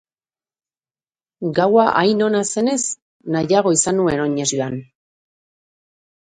Gaua hain ona zenez, nahiago izan nuen oinez joan.